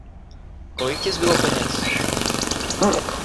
Kolik ti zbylo peněz?